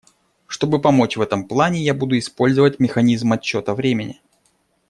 Чтобы помочь в этом плане, я буду использовать механизм отсчета времени.